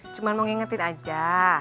cuma mau ngingetin aja